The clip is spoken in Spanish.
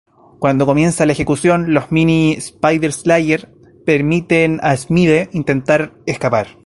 Cuando comienza la ejecución, los mini Spider-Slayers permiten a Smythe intentar escapar.